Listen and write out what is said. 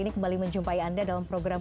ini kembali menjumpai anda dalam program